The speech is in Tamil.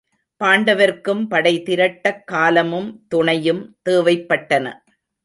பாண்டவர்க்கும் படை திரட்டக் காலமும் துணையும் தேவைப்பட்டன.